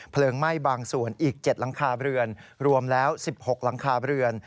ไหม้บางส่วนอีก๗หลังคาเรือนรวมแล้ว๑๖หลังคาเรือน